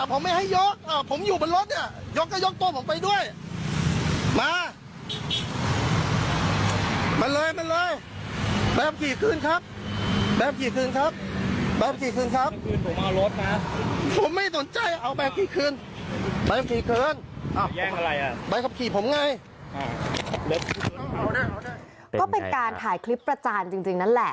ก็เป็นการถ่ายคลิปประจานจริงนั่นแหละ